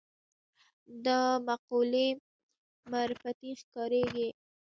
دا مقولې معرفتي ښکارېږي